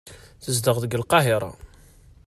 Tezdeɣ deg Lqahira.